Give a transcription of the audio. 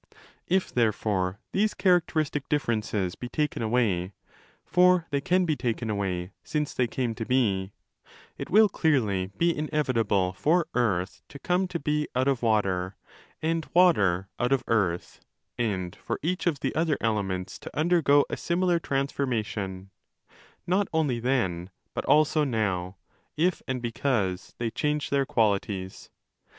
If, therefore, these characteristic differences be taken away (for they can be taken away, since they came to be), it will clearly be inevitable for Earth to come to be out of Water and Water out of Earth, and for each of the other elements to undergo a similar transformation—not only ¢hen,' but 15 also zow—if, and because, they change their qualities.